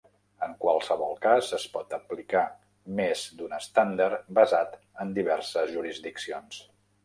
En qualsevol cas, es pot aplicar més d'un estàndard basat en diverses jurisdiccions.